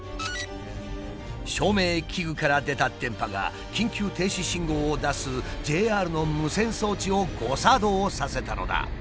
照明器具から出た電波が緊急停止信号を出すＪＲの無線装置を誤作動させたのだ。